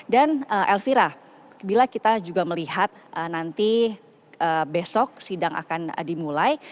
dan elvira bila kita juga melihat nanti besok sidang akan dimulai